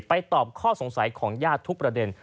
ตอบข้อสงสัยของญาติทุกประเด็น